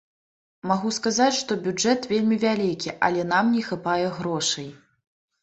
Магу сказаць, што бюджэт вельмі вялікі, але нам не хапае грошай.